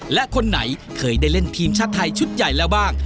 และคนไหนเคยได้เล่นทีมชาติไทยชุดใหญ่แล้วบ้าง